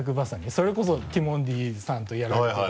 それこそティモンディさんとやられてた。